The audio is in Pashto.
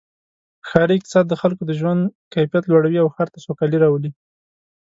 ښاري اقتصاد د خلکو د ژوند کیفیت لوړوي او ښار ته سوکالي راولي.